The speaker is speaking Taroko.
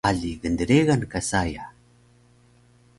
Ali gdregan ka saya